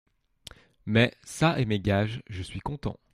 Mais, ça et mes gages, je suis content.